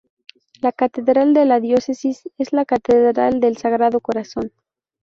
La catedral de la diócesis es la Catedral del Sagrado Corazón.